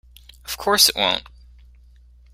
Of course it won't.